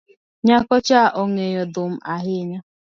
Nyako cha ongeyo dhum ahinya